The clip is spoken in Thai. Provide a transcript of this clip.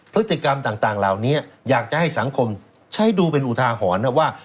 พฤติกรรมต่างเหล่านี้อยากจะให้สังคมใช้ดูเป็นอุทาหรณ์นะว่า